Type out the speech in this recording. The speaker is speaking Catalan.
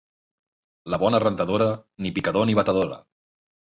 La bona rentadora, ni picador ni batedora.